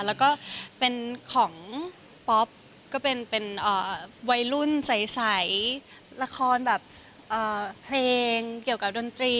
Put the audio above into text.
แล้วก็เป็นของป๊อปก็เป็นวัยรุ่นใสละครแบบเพลงเกี่ยวกับดนตรี